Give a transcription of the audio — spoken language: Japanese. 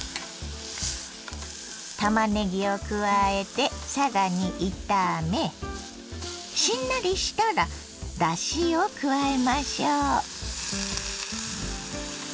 たまねぎを加えてさらに炒めしんなりしたらだしを加えましょう。